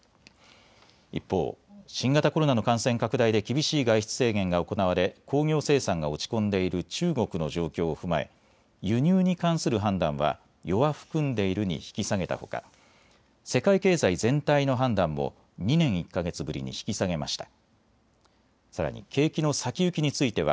一方、新型コロナの感染拡大で厳しい外出制限が行われ工業生産が落ち込んでいる中国の状況を踏まえ輸入に関する判断は弱含んでいるに引き下げたほか世界経済全体の判断も２年１か月ぶりに引き下げました。